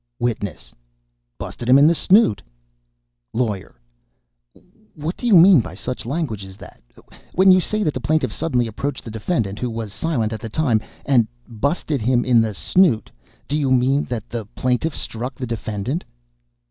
WITNESS. "Busted him in the snoot." LAWYER. "What do you mean by such language as that? When you say that the plaintiff suddenly approached the defendant, who was silent at the time, and 'busted him in the snoot,' do you mean that the plaintiff struck the defendant?"